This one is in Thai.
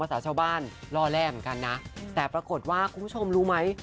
สาวชาวบ้านล่อแร่เหมือนกันนะแต่ปรากฏว่าคุณผู้ชมรู้ไหม